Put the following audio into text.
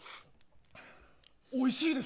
おいしいです。